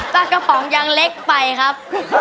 กระป๋องยังเล็กไปครับ